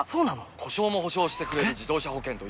故障も補償してくれる自動車保険といえば？